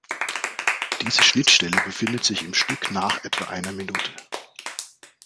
Diese Schnittstelle befindet sich im Stück nach etwa einer Minute.